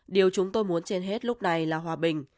điều chúng tôi muốn trên hết lúc này là hòa bình